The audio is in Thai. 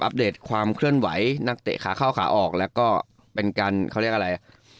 เดตความเคลื่อนไหวนักเตะขาเข้าขาออกแล้วก็เป็นการเขาเรียกอะไร